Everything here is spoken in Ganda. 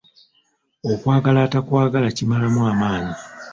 Okwagala atakwagala kimalamu amaanyi.